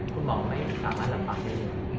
คุณหมอไม่ได้สามารถหลับฟักด้วย